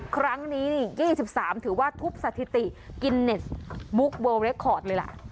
ครั้งนี้๒๓ถือว่าทุบสถิติกินเน็ตบุ๊คเวิร์ลเรคอร์ดเลยล่ะ